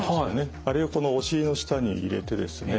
あれをお尻の下に入れてですね